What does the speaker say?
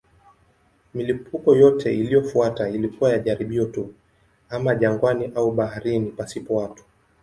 Milipuko yote iliyofuata ilikuwa ya jaribio tu, ama jangwani au baharini pasipo watu.